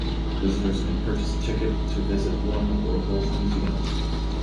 Visitors can purchase a ticket to visit one or both museums.